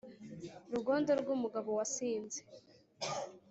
Rugondo rw'umugabo wasinze